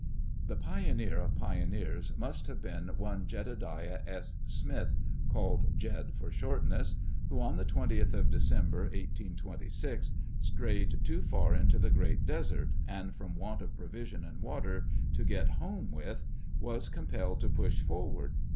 The pioneer of pioneers must have been one Jedediali S. Smith (called "Jed" for shortness), who, on the 20th of December, 1826, strayed too far into the Great Desert, and from want of provision and water to get home with, was compelled to push forward.